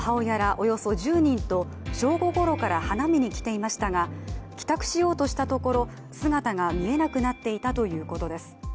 およそ１０人と正午ごろから花見に来ていましたが帰宅しようとしたところ姿が見えなくなっていたということです。